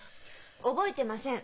覚えてません。